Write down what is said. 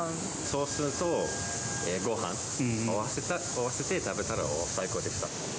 ソースとごはん、合わせて食べたら最高でした。